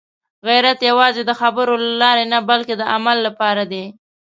غیرت یوازې د خبرو لپاره نه، بلکې د عمل لپاره دی.